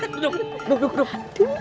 duduk duduk duduk